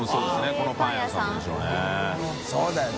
このパン屋さんでしょうね。